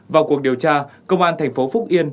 vào cuộc điều tra công an thành phố phúc yên